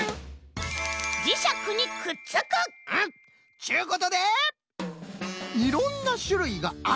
っちゅうことで「いろんなしゅるいがある」。